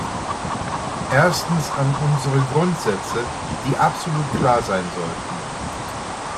Erstens an unsere Grundsätze, die absolut klar sein sollten.